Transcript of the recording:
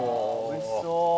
おいしそう！